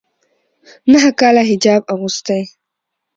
ا نهه کاله حجاب اغوستی